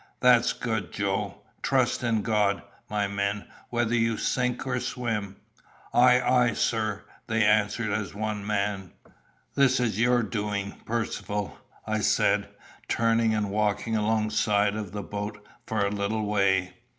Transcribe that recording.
"That's good, Joe. Trust in God, my men, whether you sink or swim." "Ay, ay, sir!" they answered as one man. "This is your doing, Percivale," I said, turning and walking alongside of the boat for a little way.